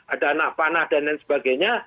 ada anak panah dan lain sebagainya